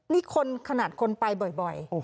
นี่คนขนาดคนไปบ่อย